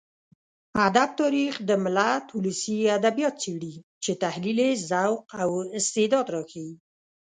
ادب تاريخ د ملت ولسي ادبيات څېړي چې تحليل يې ذوق او استعداد راښيي.